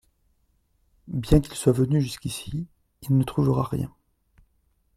Bien qu'il soit venu jusqu'ici, il ne trouvera rien.